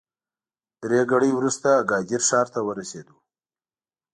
درې ګړۍ وروسته اګادیر ښار ته ورسېدو.